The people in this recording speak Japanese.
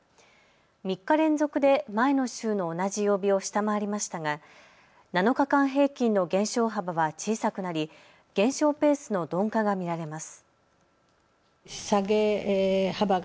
３日連続で前の週の同じ曜日を下回りましたが７日間平均の減少幅は小さくなり、減少ペースの鈍化が見られます。